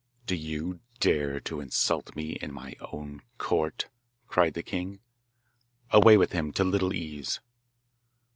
'Do you dare to insult me in my own court?' cried the king. 'Away with him to Little Ease!